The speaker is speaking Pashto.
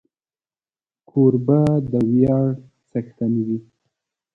کوربه د ویاړ څښتن وي.